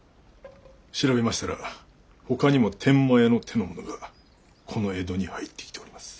調べましたらほかにも天満屋の手の者がこの江戸に入ってきております。